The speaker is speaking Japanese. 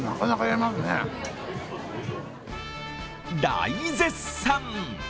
大絶賛。